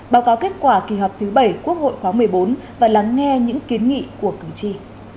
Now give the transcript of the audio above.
báo cáo kết quả kỳ họp thứ bảy quốc hội khóa một mươi bốn và lắng nghe những kiến nghị của cử tri